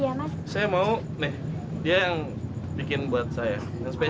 mana ini udah lapar nih lapar lapar